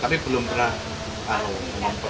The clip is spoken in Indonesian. tapi belum pernah memperkenalkan keahliannya itu